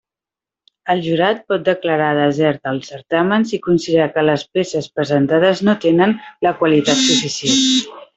El jurat pot declarar desert el certamen si considera que les peces presentades no tenen la qualitat suficient.